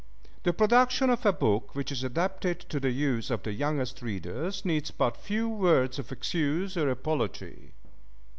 The production of a book which is adapted to the use of the youngest readers needs but few words of excuse or apology.